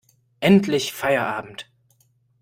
Endlich Feierabend!